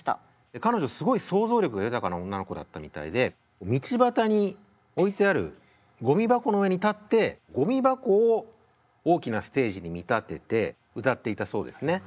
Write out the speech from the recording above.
彼女すごい想像力が豊かな女の子だったみたいで道端に置いてあるゴミ箱の上に立ってゴミ箱を大きなステージに見立てて歌っていたそうですね。